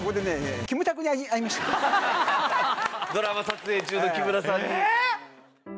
ドラマ撮影中の木村さんに。